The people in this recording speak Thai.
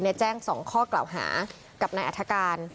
จะแจ้งสองข้อกล่าวหากับนักอธการ